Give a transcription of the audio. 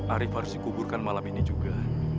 arief harus dikuburkan malam ini juga